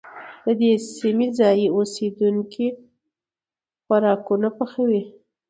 د دې سيمې ځايي اوسيدونکي خوراکونه پخوي.